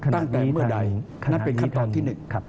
ตั้งแต่เมื่อใดนั่นเป็นขั้นตอนที่๑